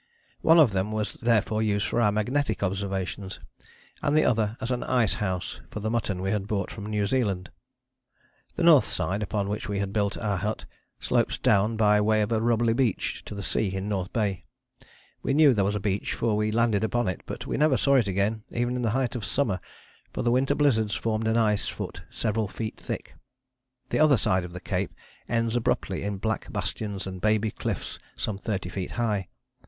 One of them was therefore used for our magnetic observations, and the other as an ice house for the mutton we had brought from New Zealand. The north side, upon which we had built our hut, slopes down by way of a rubbly beach to the sea in North Bay. We knew there was a beach for we landed upon it, but we never saw it again even in the height of summer, for the winter blizzards formed an ice foot several feet thick. The other side of the cape ends abruptly in black bastions and baby cliffs some thirty feet high.